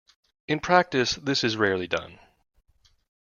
In practice, this is rarely done.